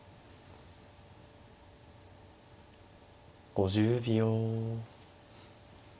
５０秒。